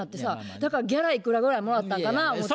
だからギャラいくらぐらいもらったんかな思うて。